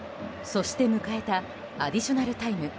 そして、迎えたアディショナルタイム。